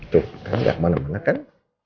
tuh kan gak kemana mana kan